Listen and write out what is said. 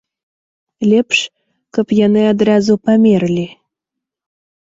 Лепш, каб яны адразу памерлі.